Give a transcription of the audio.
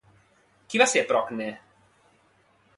Qui va ser Procne?